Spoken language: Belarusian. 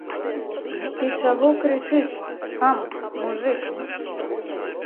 Ты чаго крычыш, хам, мужык?